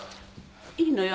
いいのよ。